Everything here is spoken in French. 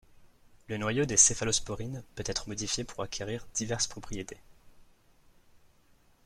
Le noyau des céphalosporines peut être modifié pour acquérir diverses propriétés.